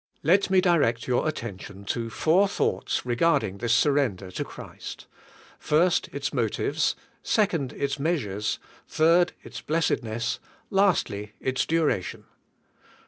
Let me direct your attention to four thoughts re garding this surrender to Christ : First, its motives ; second, its measures; third, its blessedness; lastly, its duration.